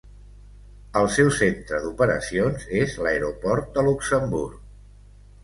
El seu centre d'operacions és l'aeroport de Luxemburg.